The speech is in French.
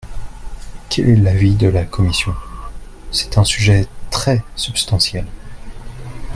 Quel est l’avis de la commission ? C’est un sujet très substantiel.